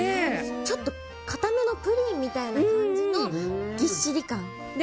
ちょっと硬めのプリンみたいな感じのぎっしり感で。